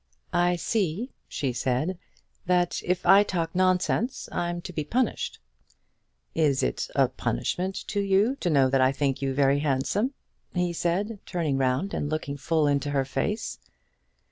"I see," she said, "that if I talk nonsense I'm to be punished." "Is it a punishment to you to know that I think you very handsome?" he said, turning round and looking full into her face.